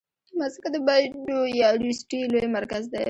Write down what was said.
مځکه د بایوډایورسټي لوی مرکز دی.